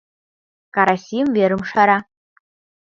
Карасим верым шара.